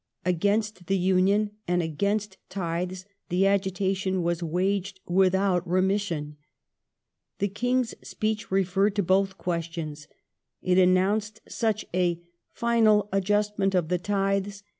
Against the Union and against tithes the agitation was waged without remission. The King s Speech re ferred to both questions. It announced such a " final adjustment of the tithes